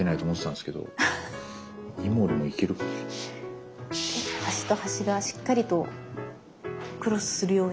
で端と端がしっかりとクロスするように。